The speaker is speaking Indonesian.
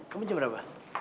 keman jam berapa